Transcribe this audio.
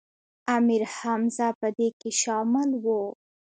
امیر حمزه په دې کې شامل و.